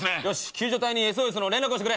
救助隊にＳＯＳの連絡をしてくれ。